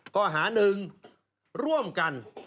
ข้อหาหนึ่งร่วมกัน